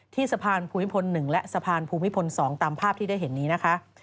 สะพานภูมิพล๑และสะพานภูมิพล๒ตามภาพที่ได้เห็นนี้นะคะ